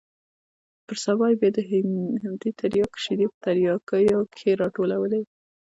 پر سبا يې بيا د همدې ترياکو شېدې په ترياكيو کښې راټولولې.